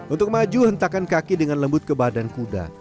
untuk maju hentakan kaki dengan lembut ke badan kuda